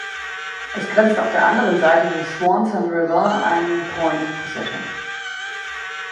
Es grenzt auf der anderen Seite des Swanson River an Point Possession.